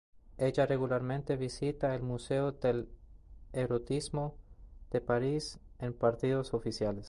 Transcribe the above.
Ella regularmente visita el Museo del Erotismo de París en partidos oficiales.